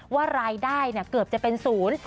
ว่ารายได้เกือบจะเป็นศูนย์